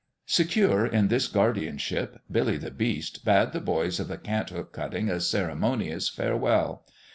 Secure in this guardianship, Billy the Beast bade the boys of the Cant hook cutting a cere monious farewell.